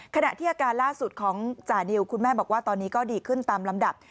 ขณะที่อาการล่าสุดของจานิวคุณแม่บอกว่าตอนนี้ก็ดีขึ้นตามลำดับ